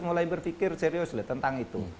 mulai berpikir serius tentang itu